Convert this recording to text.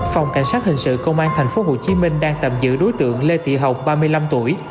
phòng cảnh sát hình sự công an tp hcm đang tạm giữ đối tượng lê thị hồng ba mươi năm tuổi